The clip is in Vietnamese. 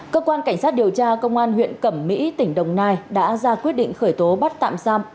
cơ quan cảnh sát điều tra công an huyện cẩm mỹ tỉnh đồng nai đã ra quyết định khởi tố bắt tạm giam